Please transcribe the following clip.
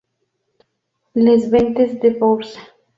Les Ventes-de-Bourse